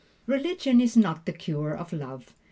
Religion is not the cure of love.